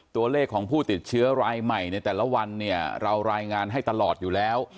ตัวเลขของผู้ติดเชื้อรายใหม่ในแต่ละวันเนี่ยเรารายงานให้ตลอดอยู่แล้ว